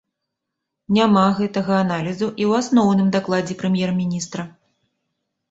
Няма гэтага аналізу і ў асноўным дакладзе прэм'ер-міністра.